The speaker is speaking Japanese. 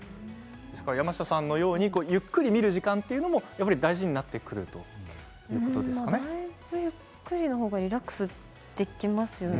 山下さんのようにゆっくり見る時間も大事にゆっくりの方がリラックスできますよね。